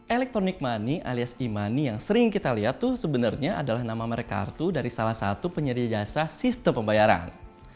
electronic money alias e money yang sering kita lihat tuh sebenarnya adalah nama merekartu dari salah satu penyedia jasa sistem pembayaran